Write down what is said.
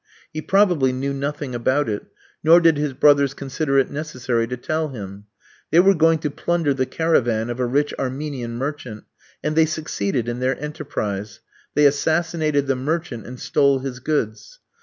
He probably knew nothing about it, nor did his brothers consider it necessary to tell him. They were going to plunder the caravan of a rich Armenian merchant, and they succeeded in their enterprise. They assassinated the merchant and stole his goods.